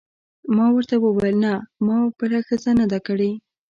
ما ورته وویل: نه، ما بله ښځه نه ده کړې.